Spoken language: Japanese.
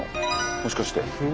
もしかして。